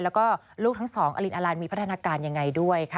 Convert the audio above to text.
แล้วก็ลูกทั้งสองอลินอลันมีพัฒนาการยังไงด้วยค่ะ